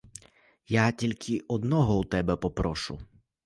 Я тільки одного у тебе попрошу.